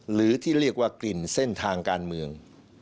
หรือที่เรียกว่ากลิ่นเส้นทางการเมือง